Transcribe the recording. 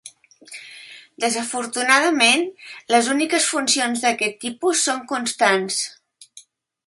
Desafortunadament, les úniques funcions d'aquest tipus són constants.